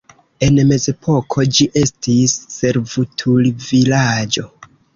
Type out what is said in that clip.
En mezepoko ĝi estis servutulvilaĝo.